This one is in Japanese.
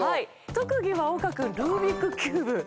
特技は岡君ルービックキューブ。